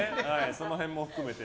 その辺も含めて。